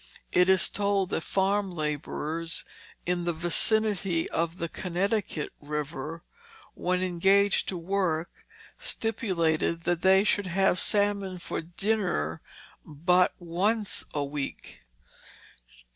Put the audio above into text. It is told that farm laborers in the vicinity of the Connecticut River when engaged to work stipulated that they should have salmon for dinner but once a week.